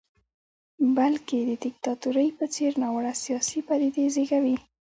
بلکې د دیکتاتورۍ په څېر ناوړه سیاسي پدیدې زېږوي.